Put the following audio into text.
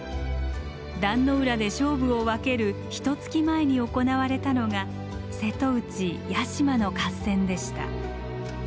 壇ノ浦で勝負を分けるひとつき前に行われたのが瀬戸内屋島の合戦でした。